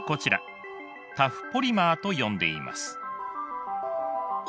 タフポリマーと呼んでいます。